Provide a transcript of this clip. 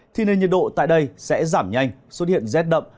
thì nền nhiệt độ tại đây sẽ giảm nhanh xuất hiện rét đậm